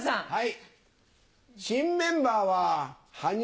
はい。